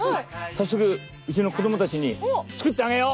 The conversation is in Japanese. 早速うちの子供たちに作ってあげよ！